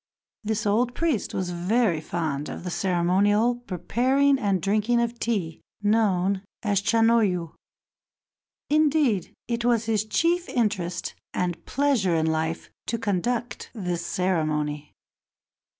This old priest was very fond of the ceremonial preparing and drinking of tea known as Chanoyu; indeed, it was his chief interest and pleasure in life to conduct this ceremony.